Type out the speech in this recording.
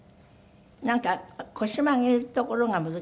なんか腰曲げるところが難しいって？